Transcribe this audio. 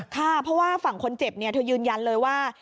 ค่ะเพราะว่าฝั่งคนเจ็บเธอยืนยันเลยว่า